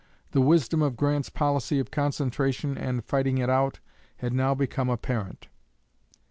The wisdom of Grant's policy of concentration and "fighting it out" had now become apparent.